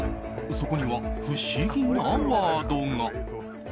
そこには不思議なワードが。